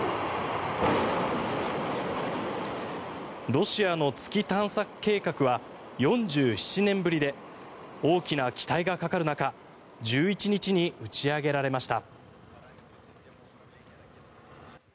ロシアの月探査計画は４７年ぶりで大きな期待がかかる中１１日に打ち上げられました。